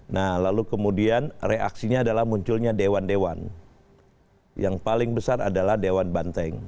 nah lalu kemudian reaksinya adalah munculnya dewan dewan yang paling besar adalah dewan banteng